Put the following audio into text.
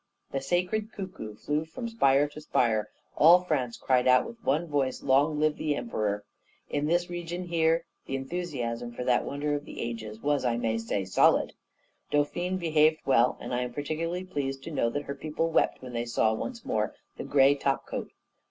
The sacred cuckoo flew from spire to spire; all France cried out with one voice, 'LONG LIVE THE EMPEROR!' In this region, here, the enthusiasm for that wonder of the ages was, I may say, solid. Dauphine behaved well; and I am particularly pleased to know that her people wept when they saw, once more, the gray top coat.